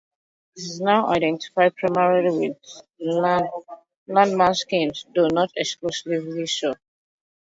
It is now identified primarily with Landmarkism, though not exclusively so.